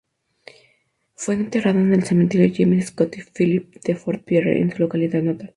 Fue enterrado en el Cementerio James "Scotty" Philip de Fort Pierre, su localidad natal.